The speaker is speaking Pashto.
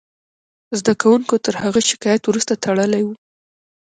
زده کوونکو تر هغه شکایت وروسته تړلې وه